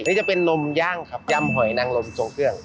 อันนี้จะเป็นนมย่างครับยำห้อยนั่งลมจงเกลือง